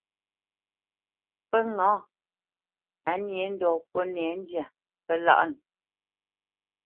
Pə́ ŋâ, á nyě ndɔ̌ ŋkúnɛ̂ ndyá, pə́ láʼnə.